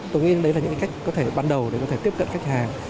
tôi nghĩ đấy là những cách ban đầu để có thể tiếp cận khách hàng